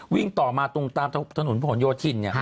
วิ่งต่อมาตรงตามถนนผนโยธิน